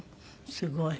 すごい。